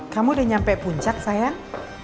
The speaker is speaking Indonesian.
kamu udah nyampe puncak sayang